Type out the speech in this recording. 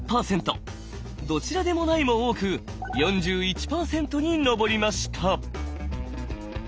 「どちらでもない」も多く４１％に上りました。